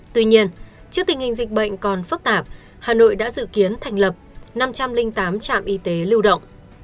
tuy nhiên trước tình hình dịch bệnh còn phức tạp hà nội đã dự kiến thành lập năm trăm linh tám trạm y tế lưu động